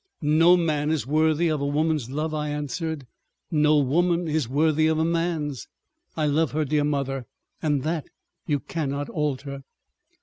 "No man is worthy of a woman's love," I answered. "No woman is worthy of a man's. I love her, dear mother, and that you cannot alter."